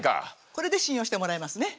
これで信用してもらえますね。